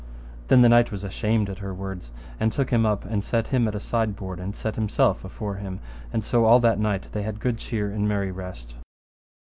Then the knight was ashamed at her words, and took him up, and set him at a sideboard, and set himself afore him, and so all that night they had good cheer and merry rest.